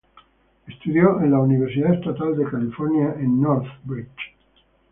Estudió de la Universidad Estatal de California en Northridge.